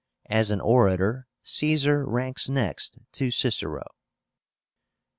As an orator, Caesar ranks next to Cicero.